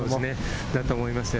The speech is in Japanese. だと思います。